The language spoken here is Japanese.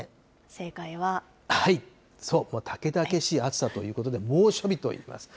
正解は猛々しい暑さということで、猛暑日といいます。